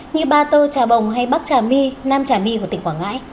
như ba tơ trà bồng hay bắc trà my nam trà my của tỉnh quảng ngãi